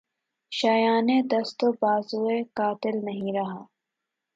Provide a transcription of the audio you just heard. شایانِ دست و بازوےٴ قاتل نہیں رہا